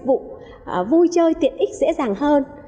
dịch vụ vui chơi tiện ích dễ dàng hơn